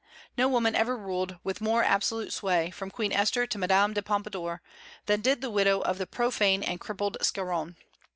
No woman ever ruled with more absolute sway, from Queen Esther to Madame de Pompadour, than did the widow of the profane and crippled Scarron.